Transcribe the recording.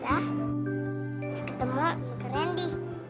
kita ketemu keren di